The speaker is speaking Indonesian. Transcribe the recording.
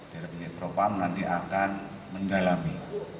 dari penyidik propam nanti akan mendalami